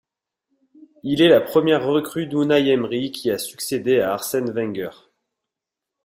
Il est la première recrue d'Unai Emery qui a succédé à Arsène Wenger.